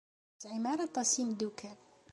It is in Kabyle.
Ur tesɛim ara aṭas n yimeddukal.